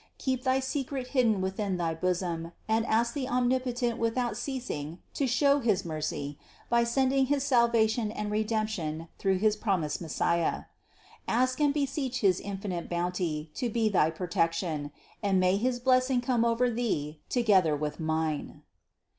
Keep thy secret hidden within thy Bosom and ask the Omnipotent without ceasing to show his mercy by sending his salvation and redemption through his promised Messiah. Ask and beseech his infinite bounty to be thy protection, and may his blessing come over Thee together with mine."